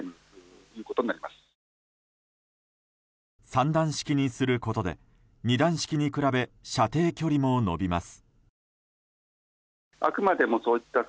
３段式にすることで２段式に比べ射程距離も伸びます。